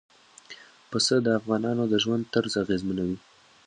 پسه د افغانانو د ژوند طرز ډېر اغېزمنوي.